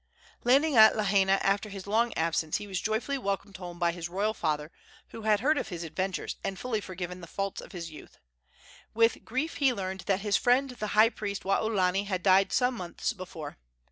Landing at Lahaina after his long absence, he was joyfully welcomed home by his royal father, who had heard of his adventures and fully forgiven the faults of his youth. With grief he learned that his friend the high priest, Waolani, had died some months before.